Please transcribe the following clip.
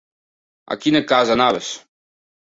A quina casa anaves?